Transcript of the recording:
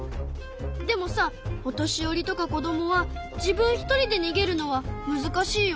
でもさお年寄りとか子どもは自分一人でにげるのはむずかしいよね。